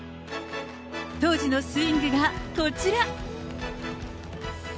当時のスイングがこちら。